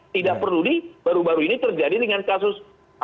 tidak peduli baru baru ini terjadi dengan kasus